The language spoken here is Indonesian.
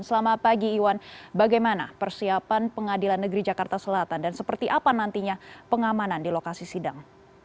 selamat pagi iwan bagaimana persiapan pengadilan negeri jakarta selatan dan seperti apa nantinya pengamanan di lokasi sidang